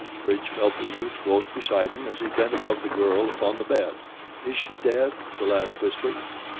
Bridge felt the youth close beside him as he bent above the girl upon the bed. "Is she dead?" the lad whispered.